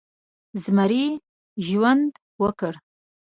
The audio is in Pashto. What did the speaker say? د زمري ژوند وکړه